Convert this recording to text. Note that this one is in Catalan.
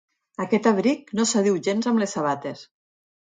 Aquest abric no s'adiu gens amb les sabates.